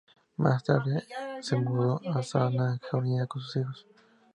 Más tarde se mudó a Savannah, Georgia, con sus hijos.